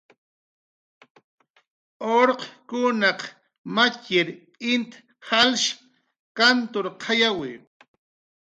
Urqkunaq matxir int jalsh kanturqayawi